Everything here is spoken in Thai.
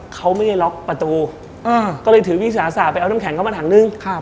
เขาไม่ได้ล็อกประตูก็เลยถือวิสาสะไปเอาน้ำแข็งเข้ามาถังนึง